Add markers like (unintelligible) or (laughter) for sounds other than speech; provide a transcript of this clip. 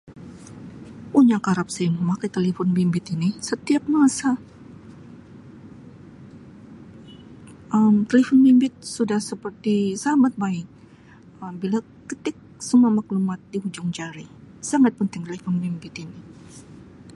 (unintelligible) memakai telefon bimbit ini setiap masa (noise) Um telefon bimbit sudah seperti sahabat baik Um bila ketik semua maklumat dihujung jari sangat penting telefon bimbit ini.